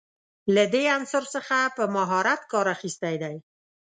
له دې عنصر څخه په مهارت کار اخیستی دی.